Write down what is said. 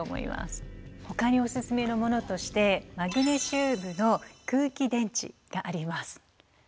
ほかにオススメのものとしてマグネシウムの空気電池があります。